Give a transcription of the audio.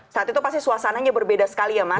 saat itu pasti suasananya berbeda sekali ya mas